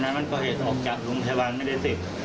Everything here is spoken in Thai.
วันนั้นมันก็เหตุออกจากลุงไทยวันไม่ได้เสพ